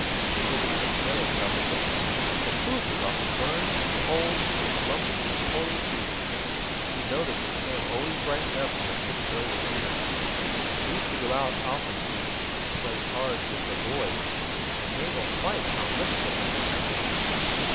Mabel became careless about the cooking: the food was often burned, cold, lumpy, and poorly seasoned. She noticed that Sam always brightened up when a pretty girl was near. He used to go out often "to play cards with the boys," and Mabel twice found lipstick on his handkerchief.